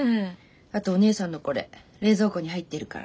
あとお姉さんのこれ冷蔵庫に入ってるから。